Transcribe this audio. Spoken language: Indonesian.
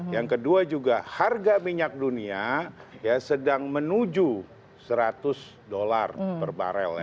yang kedua juga harga minyak dunia sedang menuju seratus dolar per barel ya